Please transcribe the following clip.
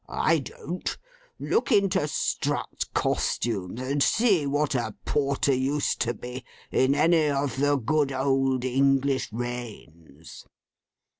I don't. Look into Strutt's Costumes, and see what a Porter used to be, in any of the good old English reigns.